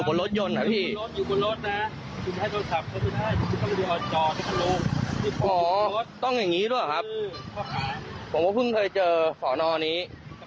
ผมว่าเพิ่งเคยเจอศนนี้